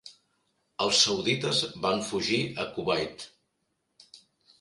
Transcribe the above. Els saudites van fugir a Kuwait.